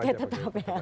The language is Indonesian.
oke tetap ya